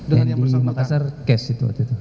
yang di makassar cash itu